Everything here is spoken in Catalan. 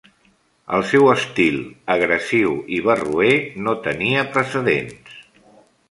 El seu estil agressiu i barroer no tenia precedents.